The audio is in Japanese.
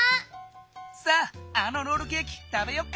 さああのロールケーキ食べよっか。